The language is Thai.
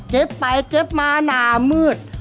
เทปไปเทปมาหนามืด